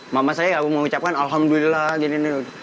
mama saya ya mau mengucapkan alhamdulillah gini gini